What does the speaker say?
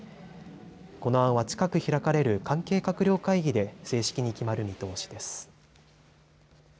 この案は近く開かれる関係閣僚会議で正式に決まる見通しです。